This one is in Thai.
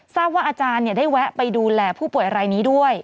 ทราบว่าอาจารย์ได้แวะไปดูแลผู้ป่วยรายนี้ด้วย